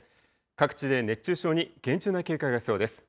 各地で熱中症に厳重な警戒が必要です。